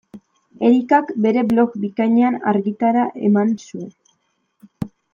Erikak bere blog bikainean argitara eman zuen.